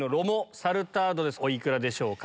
お幾らでしょうか？